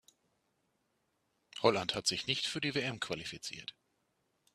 Holland hat sich nicht für die WM qualifiziert.